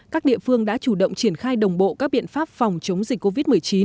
các địa phương đã chủ động triển khai đồng bộ các biện pháp phòng chống dịch covid một mươi chín